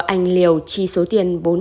anh liều chi số tiền